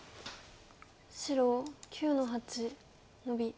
白９の八ノビ。